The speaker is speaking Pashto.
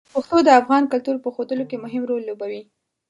پښتو د افغان کلتور په ښودلو کې مهم رول لوبوي.